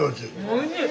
おいしい！